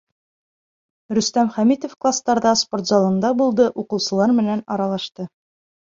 Рөстәм Хәмитов кластарҙа, спорт залында булды, уҡыусылар менән аралашты.